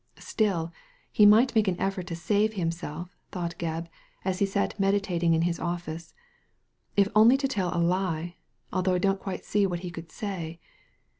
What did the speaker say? '' Still be might make an efTort to save himself/' thought Gebb, as he sat meditating in his office^ '' if only to tell a lie ; although I don't quite see what he could say.